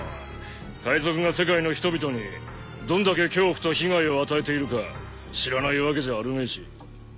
海賊が世界の人々にどんだけ恐怖と被害を与えているか知らないわけじゃあるめえし。